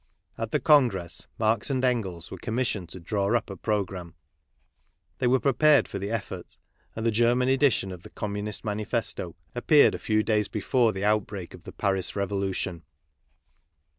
At the Congress, Marx and Engels were commissioned to draw up a programme. They were prepared for the effort; and the'Cerman edition of the Communist Manifesto appeared a few ..^ays before the outbreak of the Paris revolution.